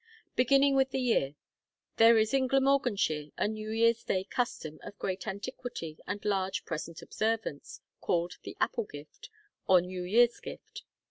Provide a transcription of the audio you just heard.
Beginning with the year: there is in Glamorganshire a New Year's Day custom of great antiquity and large present observance, called the apple gift, or New Year's gift.